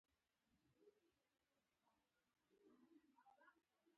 خو بیا هم اردو وجود درلود او اسکلیت یې ساتل شوی وو.